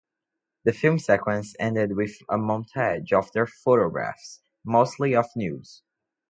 The film sequence ended with a montage of their photographs, mostly of nudes.